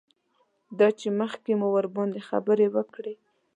دا چې مخکې مو ورباندې خبرې وکړې.